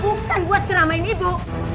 bukan buat ceramahin ibu